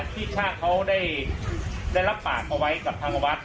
ที่ชาติเขาได้รับปากเอาไว้กับทางวัด